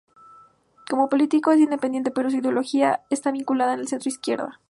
Como político es independiente, pero su ideología está vinculada al centro-izquierda.